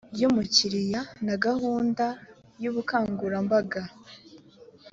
by umukiriya na gahunda y ubukangurambaga